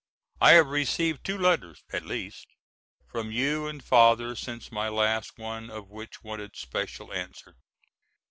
I have received two letters, at least, from you and father since my last, one of which wanted special answer.